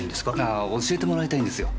あ教えてもらいたいんですよ